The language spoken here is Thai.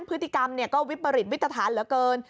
พฤติกรรมก็วิปริตวิตรฐานเหลือเกิน